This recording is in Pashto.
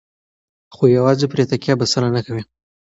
خو یوازې پرې تکیه بسنه نه کوي.